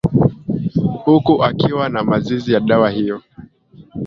Huku akiwa na mizizi ya dawa hiyo